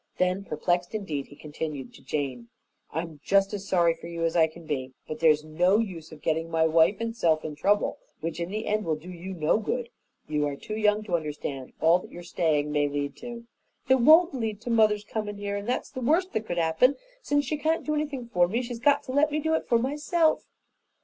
Then, perplexed indeed, he continued to Jane, "I'm just as sorry for you as I can be, but there's no use of getting my wife and self in trouble which in the end will do you no good. You are too young to understand all that your staying may lead to." "It won't lead to mother's comin' here, and that's the worst that could happen. Since she can't do anything for me she's got to let me do for myself."